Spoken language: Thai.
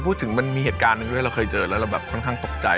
มันมีเหตุการณ์หนึ่งด้วยเราเคยเจอแล้วเราแบบค่อนข้างตกใจ